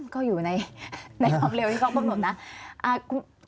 ก็อยู่ในความเร็วของกล้องดูดนะ